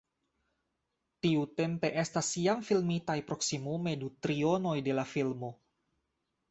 Tiutempe estas jam filmitaj proksimume du trionoj de la filmo.